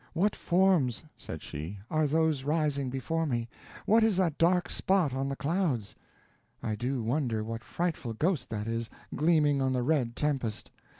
"What forms," said she, "are those rising before me? What is that dark spot on the clouds? I do wonder what frightful ghost that is, gleaming on the red tempest?